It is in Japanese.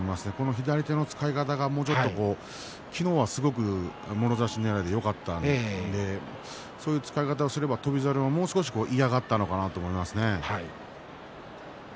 左手の使い方が、もう少し昨日はすごくもろ差しねらいでよかったと思いますけどそういう使い方をすれば翔猿はもう少し嫌がったのかなと思います。